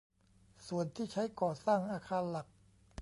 ส่วนที่ใช้ก่อสร้างอาคารหลัก